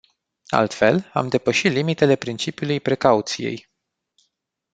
Altfel, am depăși limitele principiului precauției.